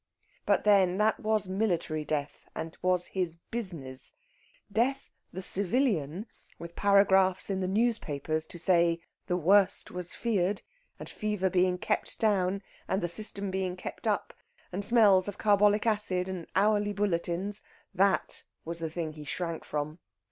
But then that was military death, and was his business. Death the civilian, with paragraphs in the newspapers to say "the worst" was feared, and the fever being kept down, and the system being kept up, and smells of carbolic acid and hourly bulletins that was the thing he shrank from.